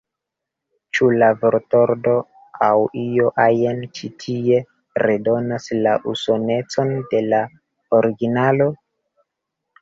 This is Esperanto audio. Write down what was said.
Ĉu la vortordo aŭ io ajn ĉi tie redonas la usonecon de la originalo?